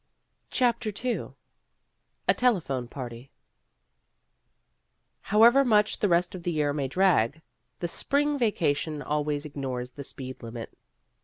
CHAPTER n A TELEPHONE PAHTY HOWEVER much the rest of the year may drag, the spring vacation always ignores the speed limit.